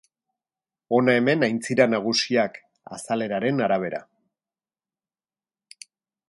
Hona hemen aintzira nagusiak azaleraren arabera.